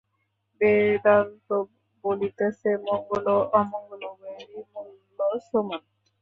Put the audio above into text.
বেদান্ত বলিতেছে, মঙ্গল ও অমঙ্গল উভয়েরই মূল্য সমান।